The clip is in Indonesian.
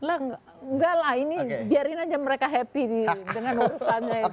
enggak lah ini biarin aja mereka happy dengan urusannya itu